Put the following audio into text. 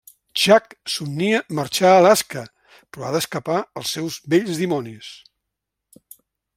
Jack somnia marxar a Alaska però ha d'escapar als seus vells dimonis.